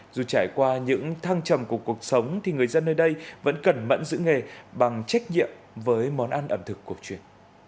dù trải qua những thăng trầm của cuộc sống thì người dân nơi đây vẫn cẩn mận giữ nghề bằng trách nhiệm với món ăn ẩm thực của chuyện